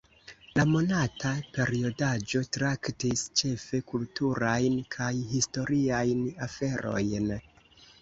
La monata periodaĵo traktis ĉefe kulturajn kaj historiajn aferojn.